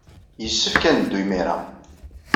Yessefk ad neddu imir-a.